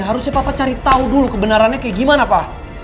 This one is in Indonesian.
harusnya papa cari tahu dulu kebenarannya kayak gimana pak